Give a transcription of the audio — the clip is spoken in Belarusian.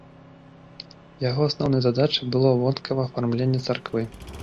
Яго асноўнай задачай было вонкава афармленне царквы.